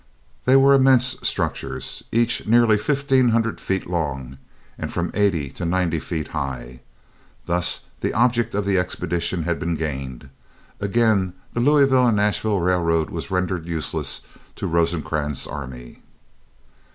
They were immense structures, each nearly fifteen hundred feet long, and from eighty to ninety feet high. Thus the object of the expedition had been gained. Again the Louisville and Nashville Railroad was rendered useless to Rosecrans's army.